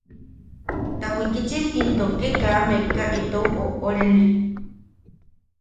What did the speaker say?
Ta wikichim into ke kaa mekka itou oʼorene.